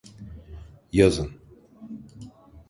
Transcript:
Yazın…